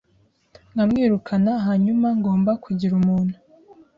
nkamwirukana hanyuma ngomba kugira umuntu